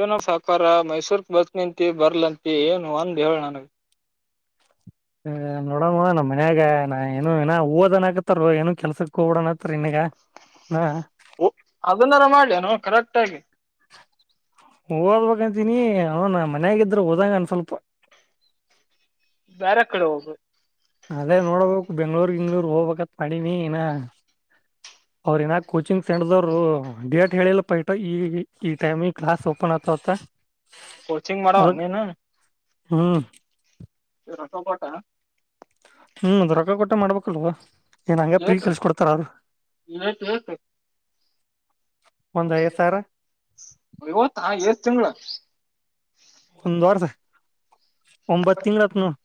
ಏನೋ ಸೌಕಾರ ಮೈಸೂರಕ ಬರ್ತೀನಿ ಅಂತಿಮ ಬರ್ಲಾ ಅಂತಿ ಏನು ಒಂದ ಹೇಳ ನನಗ. [inaudible] ಹ ನೋಡೋಣ ನಮ್ಮ ಮನ್ಯಾಗ ನ ಏನುಏ ಓದನ್ ಆಕತ್ತಾರ ಏನು ಕೆಲ್ಸಕ್ ಹೋಗಡಣತ್ತರಿ ಇನ್ಗ. ಹಾಂ. [unintelligible] ಅದನ್ನಾರ ಮಾಡ್ಲಿ [unintelligible] ಕರೆಕ್ಟ್ ಆಗಿ. ಓದ್ಬೇಕಂತೀನಿ ಅವನ ಮನ್ಯಾಗ ಇದ್ರ ಹೋದಂಗ ಅನಸಲಪಾ. ಬ್ಯಾರೆ ಕಡೆ ಹೋಗ. ಅದೇ ನೋಡ್ಬೇಕು ಬೆಂಗ್ಳೂರ್ ಹಿಂಗ್ಳೂರ್ ಹೋಗ್ಬೇಕತ್ ಮಾಡಿನಿ ಇನ. ಅವ್ರ ಏನಾಗ್ ಕೋಚಿಂಗ್ ಸೆಂಟರ ದವರು ಡೇಟ್ ಹೇಳಿಲ್ಲಪಾ ಈ ಈ ಟೈಮಿ ಕ್ಲಾಸ್ ಓಪನ್ ಆತವತ್ತಂ. ಕೋಚಿಂಗ್ ಮಾಡವ ನೀನು. ಹ್ಮ. ರೊಕ್ಕ ಕೊಟ್ಟು. ಹ್ಮ್ ರೊಕ್ಕ ಕೊಟ್ಟೆ ಮಾಡ್ಬೇಕಲ್ವ ಏನ್ ಹಂಗೆ ಪ್ರೀ ಏಟು ಕೆಲ್ಸಿ ಕೊಡ್ತಾರ ಅವರು. ಏಟು ಸಾವಿರ ಇವತ್ ಎಷ್ಟ ತಿಂಗಳ. ಒಂದ್ ವರ್ಸ ಒಂಬತ್ತು ತಿಂಗಳ ಅಂತ‌ ನೊಡಿ.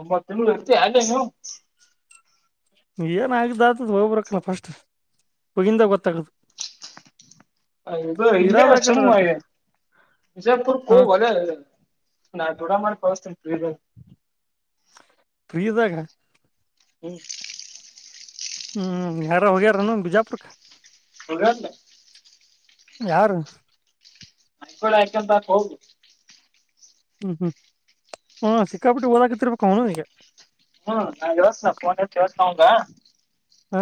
ಒಂಬತ್ ತಿಂಳ ಇರ್ತಿ ಅಲ್ಲೇ ನೀನು. ಏನ್ ಆಗಿದೆ ಆತದ ಹೋಗ್ಬರಕ್ಕಲ್ಲ ಫಸ್ಟ್ ಹೋಗಗಿಂದಾಗ ಗೊತ್ತಾಗದ. ಅದು ಇದು ಇಲ್ಲೇ ಇರಬೇಕಲ್ಲ ಸುಮ್ ರೊಕ್ಕ ವಿಜಯಪುರಕ ಹಾ ಹೋಗು ಅಲ್ಲೇ. ನಾನ್ ದದುಡ ಮಾಡಿ ಕಳಸ್ತಿನೀ ಫ್ರೀ ದಾಗ. ಫ್ರೀ ದಾಗ. ಹ್ಮ್. [inaudible] ಹ್ಮ್ ಯಾರು ಹೋಗ್ಯಾರನು ಬಿಜಾಪುರ್ಕ್ಕೆ. ಸೂರತ್ ಯಾರ ಅಕಳ ಹಾಕಂತಾ ಹೋಗ ಹ್ಮ ಹ್ಮ ಹ ಸಿಕ್ಕಾಪಟ್ಟ ಓದಾಕತಿರ್ಬೇಕ ಅವ ಇಗ [unintelligible] ಹಾ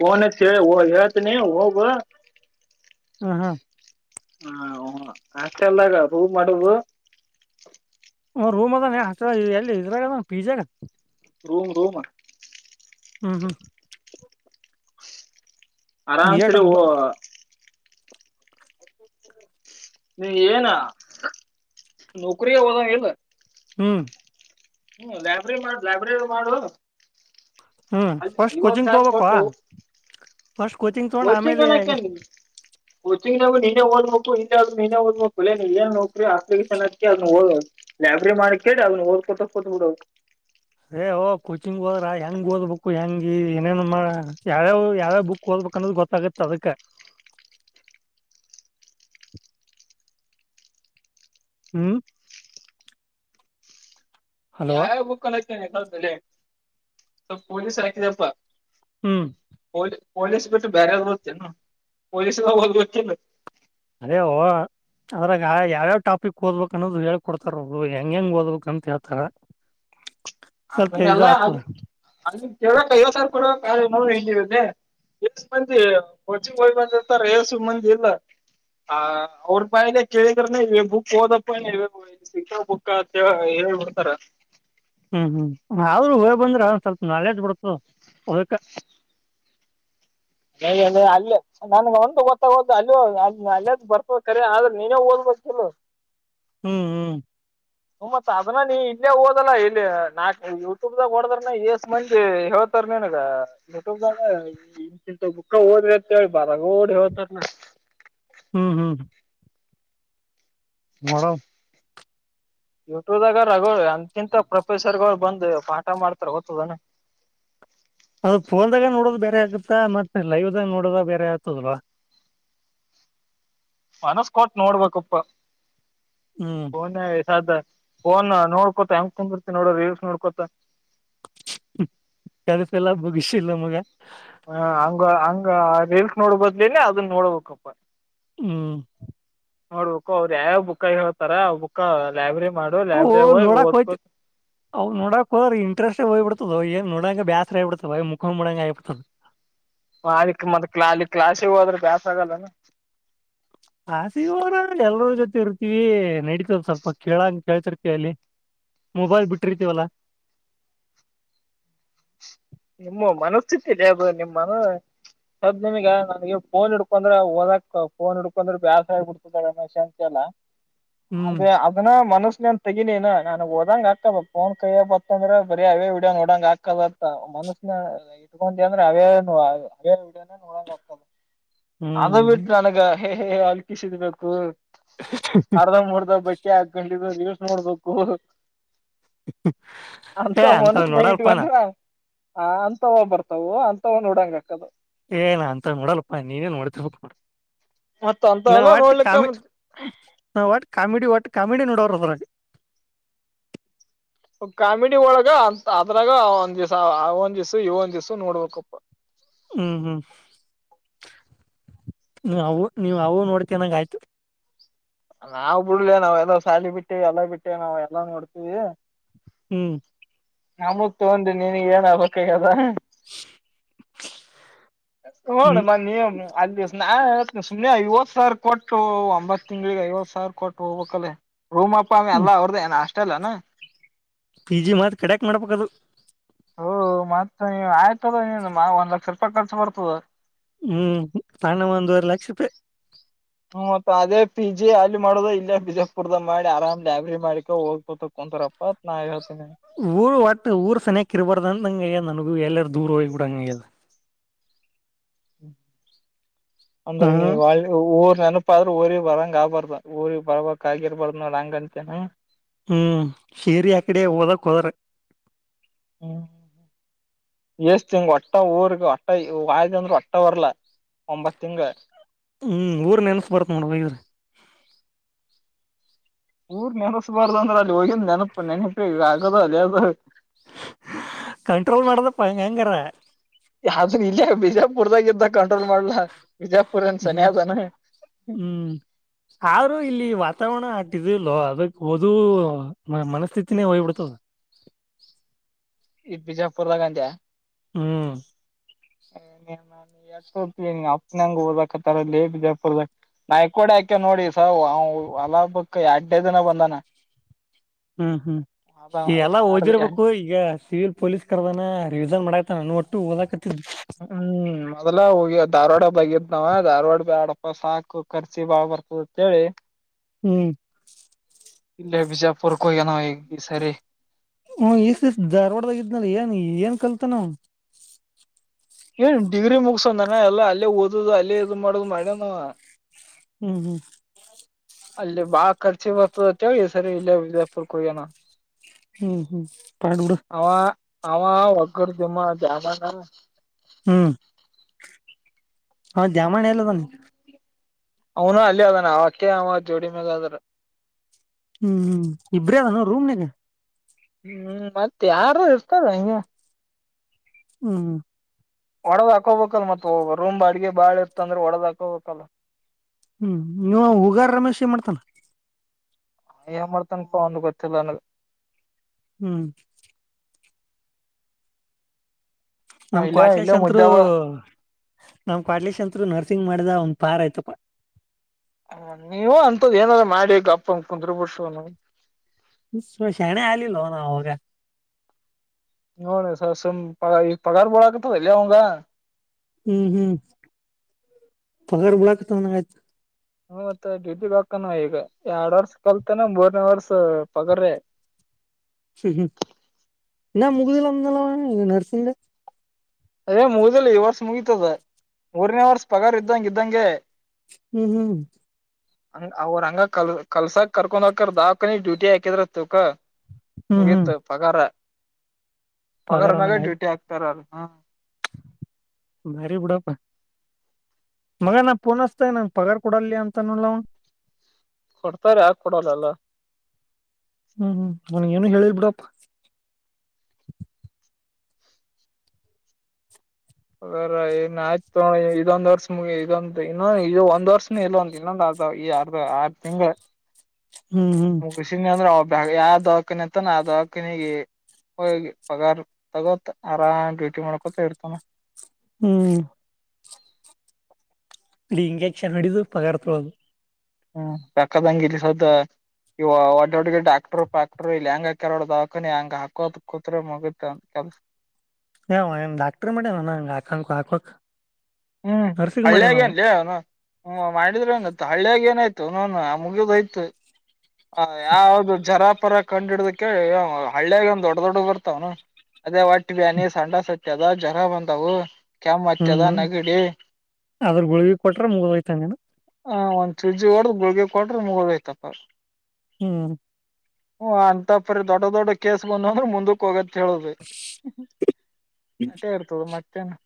ಫೋನ್ ಹಚ್ಚಿ ಓ ಹೇಳ್ತನಿ ಹೋಗ ಹ್ಮ ಹಾ ಹ ಹ್ಮ ಹಾಸ್ಟೆಲಾಗ ಹೂ ಮಾಡುದು ಅ ರೂಮ ಅದನ ಹಾಸ್ಟೆ ಎಲ್ಲಿ ಇದ್ರಾಗದ ಪಿಜಾಗ ರೂಮ್ ರೂಮ ಹ್ಮ ಹ್ಮ ಹ್ಮ್ ಏಟ್ ಆರಾಮ್ಸರೀ ಅದ್ ಓ ನೀ ಏನ ನೌಕ್ರಗ ಹೋದಂಗ ಇಲ ಹ್ಮ ಹ್ಮ ಲೈಬ್ರ ಮಾಡ ಲೈಬ್ರರಿ ಮಾಡು ಹ್ಮ್ ಅ ಫಸ್ಟ್ ಐವತ್ ಕೋಚಿಂಗ್ ತಾಸ್ ತಗೋಬೇಕು ಕೊಟ್ಟು ಫಸ್ಟ್ ತಗೊಂಡ್ ಕೋಚಿಂಗ್ ಆಮೇಲೆ ಅನಾಕ ಏನ್ ಕೋಚಿಂಗ್ ನವು ನಿನ್ನೆ ಓದ್ಬೇಕು ಇಂದ ಆದ್ರ ನಿನ್ನ ಓದ್ಬೇಕು ಇ ನೀ ಏನ್ ನೋಕ್ರಿ ಅಪ್ಲಿಕೇಶನ್ ಹಾಕ್ತಿಯ ಅದ್ನ ಓದು. ಲೈಬ್ರರಿ ಮಾಡಕೊಂಡ ಅದ್ನ ಓದಕೊತ್ತ ಕುತ್ತ ಬಿಡೋದು. ಏ ಓ ಕೋಚಿಂಗ್ ಹೋದ್ರ ಹೆಂಗ ಓದ್ಬೇಕ ಹೆಂಗ ಏನೇನ್ ಮಾಡ ಯಾವ ಯಾವ ಬುಕ್ ಓದಬೇಕ ಅನ್ನೋದ ಗೊತ್ತಾಗತ್ತ ಅದಕ್ಕ ಹ್ಮ ಹಲೋ ಯಾವ್ಯಾವ ಬುಕ್ ಕಾಣಕ್ತೇನ ಕಲ್ಸಲೇ ಸ ಪೊಲೀಸ್ ಇರಕ್ಕಿದಪ್ಪ ಹ್ಮ್ ಪೋಲಿ ಪೊಲೀಸ್ ಬಿಟ್ಟ ಬೇರೆದ ಓತ್ತಿನ ಪೊಲೀಸ್ಗ ಓದ ಬೇಕಿಲ. ಅದೇ ಓ ಅದ್ರಾಗ ಯಾವ್ಯಾವ ಟಾಪಿಕ್ ಓದ್ಬೇಕ ಅನ್ನೋದ ಹೇಳ ಕೊಡ್ತಾರ ಅವರು ಹೆಂಗ ಹೆಂಗ್ ಓದಬೇಕ ಅಂತ ಹೇಳ್ತಾರ. ಸ್ವಲ್ಪ ಇದ ಅದನ್ನೆಲ್ಲ ಆತ್ಲಾ ಅಲ್ಲಿ ಕೇಳಕ್ ಐವತ್ತ ಸಾವರ ಕೊಡಬೇಕ [unintelligible] ಎಸ ಮಂದಿ ಕೋಚಿಂಗ್ ಹೋಗಿ ಬಂದಿರ್ತಾರ ಏಸ ಮಂದಿ ಇಲ್ಲ. ಹಾ ಅವ್ರ ಬಯಲ ಕೇಳಿದ್ರ ಬುಕ್ ಓದಪ್ಪ ಸಿಕ್ಕಾ ಪುಕ್ಕ ಅ ಏಳ್ಬಿಡ್ತಾರ ಹ್ಮ ಹ್ಮ ಅರು ಹೋಗಿ ಬಂದ್ರ ಅವ ಸ್ವಲ್ಪ ನಾಲೇಜ್ ಬಿಡತ ಅದ್ಕ ಲೆ ಅಲ್ಲೇ ನನಗ ಒಂದ ಗೊತ್ತ ಆಗವತ ಅಲ್ಲಿ ಅಲ್ಲದ ಬರ್ತದ ಕರಿ ಆದ್ರೆ ನೀನೇ ಓದ್ಬೇಕ ಇಲ ಹ್ಮ ಹ್ಮ ಹ್ಮ ಮತ್ ಅದನ್ನ ನೀ ಇಲ್ಲೇ ಓದಲ್ಲ ಇಲ್ಲಿ ನಾ ಯೂಟ್ಯೂಬ್ಗ ಹೊಡದ್ರನ ಎಷ ಮಂದಿ ಹತಾರ ನನ್ಗ ಯಟ್ಯಬದನ ಇಂತ ಬುಕ್ಕ ಓದ್ರಿ ಅಂತೇಳಿ ರಗಡ ಹೇಳ್ತಾರನ ಹ್ಮ ಹ್ಮ ಮಡ ಯೂಟ್ಯೂಬ್ಗಾರ ಎಂತಿಂತ ಪ್ರೊಫೆಸರ್ ಗಳ ಬಂದ ಪಾಠ ಮಾಡ್ತಾರ ಗೊತ್ತದನ. ಅದ ಫೋನ್ದಾಗ ನೋಡೋದು ಬೇರೆ ಆಗತ್ತಾ ಮತ್ತ ಲೈವದಾಗ ನೋಡದ ಬೇರೆ ಆಗ್ತದಲ್ವಾ. ಮನಸ್ಕಟ ನೋಡ್ಬೇಕಪ್ಪ ಹ್ಮ ಮಾನ ಸದ್ದ ಫೋನ್ ನೋಡ್ಕೋತ ಹೆಂಗ ಕುಂದರ್ತಿ ನೋಡ ರೀಲ್ಸ್ ನೋಡ್ಕೊತ [unintelligible] ಹ ಹಂಗ ಹಂಗ ರೀಲ್ಸ್ ನೋಡ ಬದ್ಲುನೆ ಅದುನ್ ನೋಡಬೇಕಪ್ಪಾ ಹೂ ನೋಡ್ಬೇಕು ಅವರು ಯಾವ ಬುಕ್ ಹೇಳುತ್ತಾರೋ ಆ ಬುಕ್ಕಿನ ಲೈಬ್ರರಿ ಮಾಡು ಲೈಬ್ರರಿಯಲ್ಲಿ ಓದು ಅವನ್ ನೋಡೋಕ್ ಹೋದ್ರೆ ಇಂಟರೆಸ್ಟ್ ಹೋಗ್ಬಿಡುತ್ತೆ ಏನ್ ನೋಡಕ್ ಬೇಸರಾಗುತ್ತೆ ಮಲ್ಕೊಂಡು ಬುಡಂಗಾಗುತ್ತೆ ಅದು ಮತ್ತೆ ಕ್ಲಾಸಿಗ್ ಹೋದ್ರೆ ಬೇಸರಾಗಲ್ವಾ ಅರೆ ಇವನ ಎಲ್ಲರ ಜೊತೆಗಿರ್ತಿ ನಡೀತಾಯ್ತ್ ಸ್ವಲ್ಪ ಕೇಳಕ್ಕೆ ಕೇಳ್ತಿರ್ತ್ಯ ಮೊಬೈಲ್ ಬಿಟ್ಟಿರ್ತಿವಲ್ಲ [unintelligible] ಮಾತ್ ನಿಮ್ಗೆ ನನಗೆ ಫೋನ್ ಹಿಡ್ಕೊಂಡ್ರೆಓದಾಕ್ ಫೋನ್ ಹಿಡ್ಕೊಂಡ್ರೆ ಬೇಸರ ಆಗಿ ಬಿಡತೈತಿಲ್ಲ ಬಿಡ್ತ ಅನ್ನ ಶಾಂತಲ್ಲ [inaudible] ಅದೇ ಅದನ್ನ ಮನಸಿಂದ ತೆಗಿ ನೀನು ನಾನು ಹೋದಂಗ್ ಹಾಕಬೇಕು ಫೋನ್ ಕೈಯಲ್ಲಿ ಬಂತಂದ್ರೆ ಬರೆ ಹವೆ ವಿಡಿಯೋ ನೋಡಂಗ್ ಆಗುತ್ತೆ ಮನಸಿನಲ್ಲಿ ಇಟ್ಕೊಂಡ್ರೆ ಅದೇ ವಿಡಿಯೋ ನೋಡಂಗ್ ಆಗುತ್ತೆ ಅದುನ್ ಹ್ಮ್ ಬಿಟ್ಟು ನನಗೆ ಹೇ ಹೇ ಹಲ್ಕಿಸಿದಬೇಕು ಅರ್ಧ ಮೂರ್ಧ ಬಿಟ್ಟು ಅಂಗೆ ಹಾಕ್ಕೊಂಡಿರೋದು ರಿಲ್ಸ್ ನೋಡಬೇಕು ಅರ್ಧ ಏ ಅಂತವ್ ಮನಸ್ಸಿನಲ್ಲಿ ನೋಡಲ್ಪಾ ನಾ ಇಟ್ಕೊಂಡ ಆ ಅಂತವು ಬರ್ತವೆ ಅಂತವು ನೋಡಂಗ್ ಆಗುತ್ತೆ ಏ ನ ಅಂತ ನೋಡಲ್ಲಪ್ಪ ನೀವೇ ನೋಡುತ್ತಿರಬೇಕು ಮತ್ತ ನಾ ಅಂತವೆಲ್ಲ ಒಟ್ಟ ನೋಡ್ಲಿಕ್ಕ ಕಾಮಿ ನಾವು ಒಟ್ಟ ಕಾಮಿಡಿ ಒಟ್ಟು ಕಾಮಿಡಿ ನೋಡೋರು ಅದ್ರಾಗೆ ಕಾಮಿಡಿ ಒಳಗ ಅದ್ರಾಗ ಒಂದ ದಿವ್ಸ ಆ ಒಂದ್ ದಿವ್ಸ ಈ ಒಂದು ದಿವ್ಸ ನೋಡ್ಬೇಕಪ್ಪ ಹು ಹೂ ನೀವು ಅದು ನೋಡ್ತೀಯ ಅನ್ನಂಗಾಯ್ತು ನಾವವು ಬಿಡುಲೇ ನಾವ್ ಎಲ್ಲಾ ಶಾಲಿ ಬಿಟ್ಟೇ ಎಲ್ಲ ಬಿಟ್ಟೇ ನಾವ್ ಎಲ್ಲ ನೋಡ್ತಿವಿ ಹೂ ನಮುದ್ ತಗೊಂಡ್ ನಿಮಗೇನಾಗಬೇಕಾಗದೆ [unintelligible] ಹ್ಮ್ ಒಂಬತ್ತು ತಿಂಗಳಿಗೆ ಹೈವತು ಸಾವಿರ ಕೊಟ್ಟು ಹೋಗಬೇಕಲೇ ರೂಮು ಪಾಮ ಎಲ್ಲಾ ಅವರ್ ದೇನಾ ನಾಷ್ಟಲ್ವೇನು ಪಿಜಿ ಮಾಡ್ ಖಡಕ್ ಮಾಡಬೇಕು ಅದು [unintelligible] ಹೂ ನನಗೊಂದು ಲಕ್ಷ ರೂಪಾಯಿ ಊ ಅದೆ ಪಿಜಿ ಅಲ್ ಮಾಡೋಡು ಇಲ್ಲೇ ಬಿಜಾಪುರದಲ್ಲಿ ಮಾಡಿ ಆರಾಮ್ ರಾಬ್ರಿ ಮಾಡ್ಕೊಂಡ್ ಹೋಗ್ಬೋದು ನಾ ಹೇಳ್ಸ್ತೀನಿ ಊರು ಒಟ್ಟು ಊರು ಚೆನ್ನಾಗಿರಬಾರದು ನನಗಾಗಿದೆ ಎಲ್ಲಾದರೂ ದೂರ ಹೋಗ್ ಬುಡಂಗೇ ಆಗಿದೆ ಹಂಗಾದ್ರೆ ಹ್ಮ್ ನೀವಲ್ಲಿ ಊರು ನೆನಪಾದರೂ ಊರಿಗ್ ಬರಂಗೇ ಆಗ್ಬಾರ್ದು ಊರಿಗ್ ಬರಕಾಗಿರಬಾರದು ಅಂಗಂತ್ಯ ಹಹೂ ಸೇರಿ ಆ ಕಡೆ ಓದಕ್ ಹೋದ್ರ ಹೂ [unintelligible] ಹೂ ಊರ್ ನೆನಪು ಬರುತ್ತೆ ನೋಡು ನಿನಗೆ ಊರ್ ನೆನೆಸ್ಬಾರ್ದು ಅಂದ್ರೆ ಅಲ್ಲಿ ಹೋಗಿದ್ ನೆನಪೂ ನೆನಪಿಗಾಗದು ಲೇಬರ್ ಕಂಟ್ರೋಲ್ ಮಾಡ್ಬೇಕಪ್ಪ ನೀ ಹೆಂಗಾರ ಯಾವ್ದು ಇಲ್ಲ ಬಿಜಾಪುರ್ದಾಗ ಇದ್ದ ಕಂಟ್ರೋಲ್ ಮಾಡ್ಲಾ ಬಿಜಯಾಪುರ್ ಸರಿ ಅದೇನ ಹೂ ಆದ್ರು ಇಲ್ಲಿ ವಾತಾವರಣ ಅಷ್ಟು ಇದಿಲ್ಲ ಅದುಕ್ಕೆ ಮನಸ್ಥಿತಿನೇ ಹೋಗಿ ಬಿಡುತ್ತೆ ಈಗ್ ಬಿಜಾಪುರದಗ್ ಅಂದ ಹ್ಮ್ ಎರಡ್ ಸಪಿ ಅಪ್ಪನಂಗ ಓದತ್ತಾರಲ್ಲೇ ಬಿಜಾಪುರದ ನಾಯ್ಕೋಡೆ ಆಾಕ್ಯ ನೋಡಿ ಸ ಅವ ಅಲಾಬಕ್ ಎಡ್ನೇ ದನ ಬಂದಾನ ಹ್ಮ್ ಹ್ಮ್ ಎಲ್ಲ ಎರಡ್ ಓದಿರ್ಬೇಕು ಈಗ ಸಿವಿಲ್ ಪೊಲೀಸ್ ಕರ್ದನ ರಿವಿಸನ್ ಮಾಡಾಕ್ತ ನನ್ ಒಟ್ಟು ಓದಾಕತ್ತಿದಿದ್ದ ಹ್ಮ್ ಮೊದ್ಲ ಹೋಗಿ ಧಾರವಾಡ ಬಗಿದ್ನಾವ ಧಾರ್ವಾಡ ಬ್ಯಾಡಪ ಸಾಕು ಖರ್ಚಿ ಬಾಳ ಬರ್ತದ ಅಂತೇಳಿ ಹ್ಮ್ ಇಲೇ ಬಿಜಾಪುರ್ಕ್ಯನ ಈ ಸರಿ ಹ್ಮ ಈಸ್ಈಸ್ ಧಾರ್ವಾಡ್ದಾಗ ಇದ್ನಲ್ ಏನ್ ಏನ್ ಕಲ್ತಾನವ ಏನ್ ಡಿಗ್ರಿ ಮುಗಸೋನ ಎಲ್ಲ ಅಲ್ಲೇ ಓದುದು ಅಲ್ಲೇ ಇದು ಮಾಡೋುದು ಮಾಡ್ಯನ ಆವ ಹ್ಮ್ ಹ್ಮ್ ಅಲ್ಲಿ ಬಾಳ ಖರ್ಚಿ ಬರ್ತದ ಅತ್ತ ಹೇಳಿ ಸರಿ ಇಲ್ಲ ವಿಜಯಪುರ್ಕ್ಕೆ ಹೋಗ್ಯನ. ಹ್ಮ್ ಹ್ಮ್ ಪಾಡಬುಡು ಅವಾ ವಕ್ರಿದಿಣ್ಣೆ ದ್ಯಾಮವ್ವ ಹ್ಮ್ ಹ ದ್ಯಾಮಣ ಎಲ್ಲ ಅದನ ಅವನು ಅಲೇ ಅದಾನ ಅವಕ ಅವ ಜೋಡಿ ಮ್ಯಾಲ ಆದ್ರ ಹ್ಮ್ ಹ್ಮ್ ಇಬ್ರೇ ಅದ ನೋ ರೂಮದಾಗ ಹ್ಮ್ ಮತ್ತ ಯಾರು ಇರ್ತಾರ ಹಿಗ ಹ್ಮ ಒಡದ್ ಹಕೋಬೇಕಲ್ಲ ಮತ್ತ ರೂಮ್ ಬಾಡಿಗೆ ಬಾಳ ಇರ್ತ ಅಂದ್ರೆ ಒಡದ್ ಹಾಕೋಬೇಕಲ್ಲ ಹ್ಮ್ ಹುಗಾರ ರಮೇಶ್ ಮಾಡ್ತಾನ ಏನ್ ಮಾಡ್ತನ್ಕೋ ಒಂದ ಗೊತ್ತಿಲ್ಲ ನನ್ಗ್ ಹ್ಮ್ ನಮ್ ಇಲ್ಲೇ ಇಲ್ಲೇ ಕ್ವಾಟ್ಲೆಶಾಂತೃ ಮುದ್ದ್ಯಾವ ನಮ್ ಕ್ವಾಟ್ಲೆಶ್ ಅಂತೃ ನರ್ಸಿಂಗ್ ಮಾಡ್ದ ಅವಂದು ಪಾರ ಆಯ್ತಪ್ಪ ಹ ನೀವ ಅಂತದ್ ಏನಾದ್ರ್ ಮಾಡಿ ಗಪಾಂಗ್ ಕುಂದ್ರು ಬಡ್ಸ ಶಣೆ ಆಗಲಿಲ್ಲ ನಾವ್ ಅವಾಗ ನೋಳ ಸಸಮ್ ಪ ಈ ಪಗಾರ್ ಬಿಡಾಕತ್ತೆ ವಲಲೇಅವಂಗ ಹ್ಮ್ ಹ್ಮ್ ಪಗಾರ್ ಬಿಳಕತಂದ ಆಯ್ತು ಹ ಮತ್ತ ಡ್ಯೂಟಿ ವೊಕಾನವ ಈಗ ಎರಡ್ ವರ್ಷ ಕಲ್ತನ ಮೂರ್ನೇ ವರ್ಷ ಪಗ್ರೆ ಹ್ಮ್ ಹ್ಮ್ [inaudible] ಇನ್ನ ಮುಗುದಲಂದಲ್ಲ ನರ್ಸಂಗೆ ಅದೇ ಮುಗ್ದಲಿ ಈ ವರ್ಷ ಮುಗಿತದ ಮೂರನೇ ವರ್ಷ ಪಗಾರ್ ಇದ್ದಂಗ್ ಇದಂಗೆ ಹ್ಮ್ ಹ್ಮ್ ಹಂಗ ಅವ್ರ ಹಂಗ ಕಲ್ ಕಲ್ಸಾಕ್ ಕರ್ಕೊಂಡ್ ದವಾಖಾನೆ ಡ್ಯೂಟಿ ಹಾಕಿದ್ರ ತಕ್ಕ ಹ್ಮ್ ಹ್ಮ್ ಮುಗಿತು ಪಗಾರ ಪಗಾರ ಪಗಾರನಾಗ ಅನ್ನಂಗ ಆಯ್ತು ಡ್ಯೂಟಿ ಹಾಕ್ತಾರಲ್ ಹ ಭಾರಿ ಬುಡಪ್ಪ ಮಗ ನಾ ಪೋನ್ಸ್ತ ನನ್ ಪಗಾರ ಕೊಡಲಿ ಅಂತ ನೋಡಲ ಅವ ಕೊಡ್ತಾರೆ ಆಕ್ ಕೊಡೋಲ್ಲಲ್ಲಾ ಹ್ಮ್ ಹ್ಮ್ ಅವ್ನಿಗ್ ಏನು ಹೇಳಿಲ್ ಬಿಡಪ್ಪ ಅದ್ರನ್ ಆಯ್ತ ತ ಇದೊಂದ ವರ್ಷ ಮುಗಿ ಇದೊಂದು ಇನ್ನೊ ಇದು ಒಂದ್ ವರ್ಷ ಇಲ್ಲಂತ ಇನ್ನೊಂದ ಆತ ಈ ಆರ್ ಆರ್ ತಿಂಗಳು ಹ್ಮ್ ಹ್ಮ್ ನ್ ಅಂದ್ರ ಯಾ ದವಾಖಾನೆ ಅಂತಾನ ಆ ದವಾಖಾನೆಗೆ ಹ ಪಗಾರ್ ತಗೋತ ಆರಾಮ ಡ್ಯೂಟಿ ಮಾಡ್ಕೊತ ಇರ್ತಾನ ಹ್ಮ್ ಇಲ್ಲಿ ಇಂಜೆಕ್ಷನ್ ಹೊಡೆದು ಪಗಾರ್ ತೊಳೋದು. ಹ್ ಬೇಕ್ಕಾದಂಗ ಇಲ್ಲಿ ಸದ್ ಇವ ಒಟ್ಟೊಟ್ಟಿಗೆ ಡಾಕ್ಟರ್ ಪಾಕ್ ಇಲ್ಲಿ ಹೆಂಗ ಹಾಕೆರ ನೋಡ ದವಾಖಾನಿ ಹಂಗ ಹಾಕೋತ್ ಕೂತರ ಮುಗಿತ ಕೆಲ್ಸ. ಏಅವಾ ಡಾಕ್ಟ್ರ ಮಾಡ್ಯಾನ್ನು ಹಾಕಂಗಕ ಹಾಕೋಕ್ ಹ್ ಹಳ್ಳಿಯಾಗೇನ್ಲಲೇ ಅವನು. ಹ್ ಮಾಡಿದ್ರೆ ಎನ್ ಹಳ್ಳಿಯಾಗಿ ಏನಾಯ್ತು ನವನು ಆ ಮುಗಿದೋಯ್ತು. ಹ ಯಾವ್ದ ಜರಾ ಪರ ಕಂಡಿಡ್ದಕ್ಕೆ ಹಳ್ಳಿಯಾಗ ಒಂದ ದೊಡ್ಡ ದೊಡ್ಡ ಬರ್ತಾವನ್ ಅದೇ ಹೋಟ್ಟಿ ಬ್ಯಾನಿ ಸಂಡಸ ಹತ್ಯದ ಜ್ವರಾ ಬಂದಾವು ಹುಂ ಹುಂ ಅದ್ರ ಗುಳಗಿ ಕೊಟ್ರೆ ಮುಗೋಯ್ತಂಗಣ. ಹ ಒಂದ್ ಸೂಜಿ ಹೊಡದ ಗುಳಗೆ ಕೊಟ್ರೆ ಮುಗೋದಯ್ತಪ್ಪಾ. ಹುಂ ಹ ಅಂತಾವ ಪರಿ ದೊಡ್ಡ ದೊಡ್ಡ ಕೇಸ್ ಬಂದು ಅಂದ್ರ ಮುಂದಕ್ ಹೋಗತ್ ಹೇಳೋದು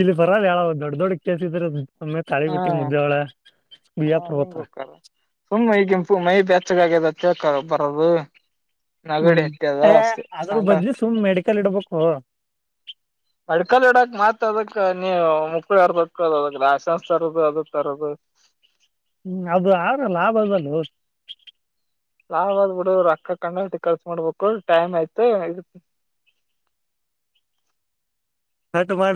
ಇಲ್ಲಿ ಬರಲ್ಲ ಯೇಳ ದೊಡ್ಡ ದೊಡ್ಡ ಕೇಸಿದ್ರ ಸಮ್ಮೆ ಹಾ ತಾಳಿಕೋಟಿ, ಮುದ್ದೇಬಿಹಾಳ ಹಾ ಹಿಂಗ ಹೋಗಕ್ಕಾರ ಸುಮ್ ಮೈ ಗಂಪು ಮೈ ಬೆಚ್ಚಗ ಆಗ್ಯದ ಅಂತ ಕೇಳ್ಕ ಬರೋದು. ಹುಂ ನಗಡಿ ಹತ್ಯದ ಎ ಅದ್ರ ಸಂಡ ಬದ್ಲಿ ಸುಮ್ ಮೆಡಿಕಲ್ ಇಡ್ಬೇಕೊ ಮೆಡಿಕಲ್ ಇಡಾಕ್ ಮತ್ ಅದಕ್ಕ ನೀವು ಮುಕಳಿ ಹರದೊಕ್ಕದ ಅ ಅದ ಲೈಶನ್ಸ್ ತರೋದು ಅದ ತರೋದು ಹುಂ ಅದು ಆದ್ರ್ ಲಾಭ ಅದಲೋ ಲಾಭ ಆದ್ ಬಿಡು ರೊಕ್ಕ ಕಂಡಾ ಪಟ್ಟಿ ಖರ್ಚ ಮಾಡಬೇಕು ಟೈಮ್ ಆಯ್ತ ಕಟ್ ಮಾಡ